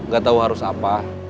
gak tau harus apa